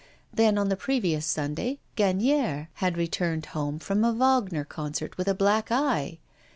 Then on the previous Sunday Gagnière had returned home from a Wagner concert with a black eye.